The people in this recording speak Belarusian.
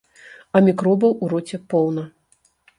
А мікробаў у роце поўна.